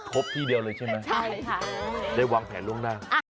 ครบที่เดียวเลยใช่ไหมได้วางแผนล่วงได้